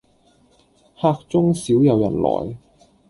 客中少有人來，